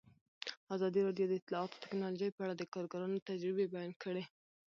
ازادي راډیو د اطلاعاتی تکنالوژي په اړه د کارګرانو تجربې بیان کړي.